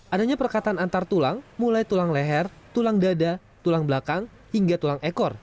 adanya perkataan antar tulang mulai tulang leher tulang dada tulang belakang hingga tulang ekor